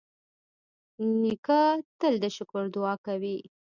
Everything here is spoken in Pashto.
نیکه تل د شکر دعا کوي.